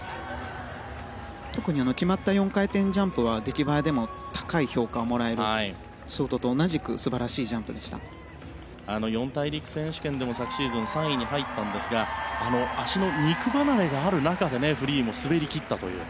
特に決まった４回転ジャンプは出来栄えでも高い評価をもらえる、ショートと同じく四大陸選手権で昨シーズン３位に入ったんですが足の肉離れがある中でフリーも滑り切ったという。